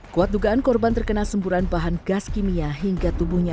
kuat dugaan korban terkena semburan bahan gas kimia hingga tubuhnya